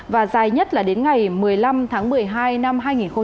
và dài nhất là đến ngày một mươi năm tháng một mươi hai năm hai nghìn hai mươi